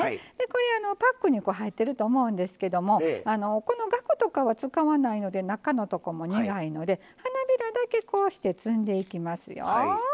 これあのパックに入っていると思うんですけどもこのがくとかは使わないので中のとこも苦いので花びらだけこうして摘んでいきますよ。